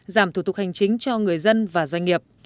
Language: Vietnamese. giảm thủ tục hành chính cho người dân và doanh nghiệp